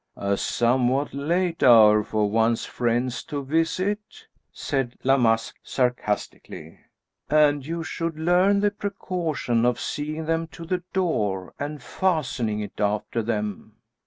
"A somewhat late hour for one's friends to visit," said La Masque, sarcastically; "and you should learn the precaution of seeing them to the door and fastening it after them."